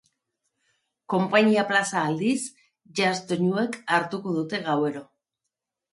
Konpainia plaza, aldiz, jazz doinuek hartuko dute gauero.